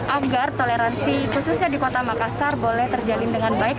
agar toleransi khususnya di kota makassar boleh terjalin dengan baik